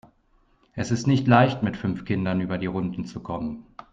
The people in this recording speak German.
Es ist nicht leicht, mit fünf Kindern über die Runden zu kommen.